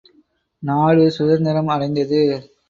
நாடு சுதந்திரம் அடைந்தது.